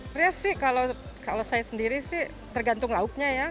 sebenarnya sih kalau saya sendiri sih tergantung lauknya ya